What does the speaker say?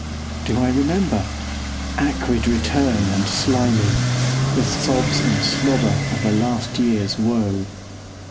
Do I remember? Acrid return and slimy, The sobs and slobber of a last years woe.